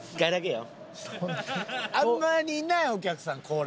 あんまりいないお客さんこれ。